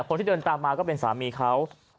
คนที่เดินตามมาก็เป็นสามีเขา